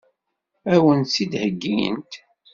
Ad wen-tt-id-heggint?